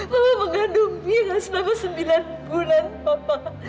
mama mengandung mira selama sembilan bulan papa